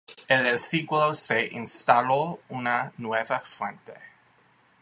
El el siglo se instaló una nueva fuente.